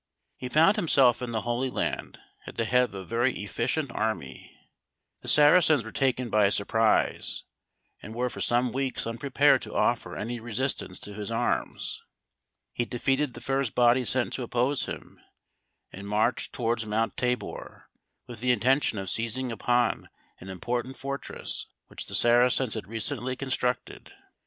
He found himself in the Holy Land at the head of a very efficient army; the Saracens were taken by surprise, and were for some weeks unprepared to offer any resistance to his arms. He defeated the first body sent to oppose him, and marched towards Mount Tabor with the intention of seizing upon an important fortress which the Saracens had recently constructed.